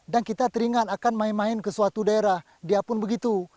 dan kita teringat akan main main ke suatu daerah dia pun begitu